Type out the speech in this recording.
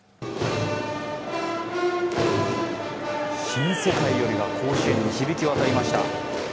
「新世界より」が甲子園に響き渡りました。